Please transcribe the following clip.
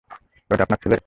ওটা আপনার ছেলে?